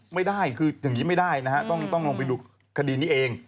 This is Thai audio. ไม่ได้คืออย่างนี้ไม่ได้นะฮะต้องลงไปดูคดีนี้เอง